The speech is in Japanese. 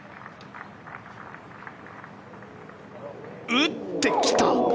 打ってきた。